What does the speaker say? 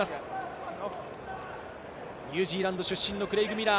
ニュージーランド出身のクレイグ・ミラー。